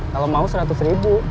kalau mau seratus ribu